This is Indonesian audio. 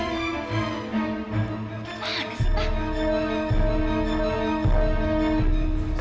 gimana sih pak